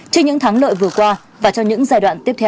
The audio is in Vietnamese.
trên những thắng lợi vừa qua và cho những giai đoạn tiếp theo